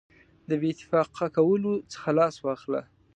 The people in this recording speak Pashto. د بې اتفاقه کولو څخه لاس واخله.